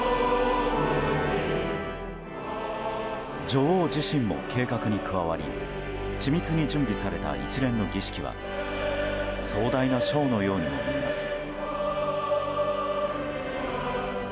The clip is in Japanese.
女王自身も計画に加わり緻密に準備された一連の儀式は壮大なショーのようにも見えます。